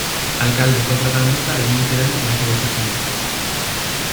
Alcalde fue protagonista de un incidente en aquella sesión.